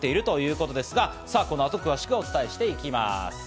この後、詳しくお伝えしていきます。